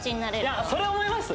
いやそれ思います！